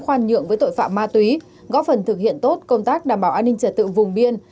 khoan nhượng với tội phạm ma túy góp phần thực hiện tốt công tác đảm bảo an ninh trật tự vùng biên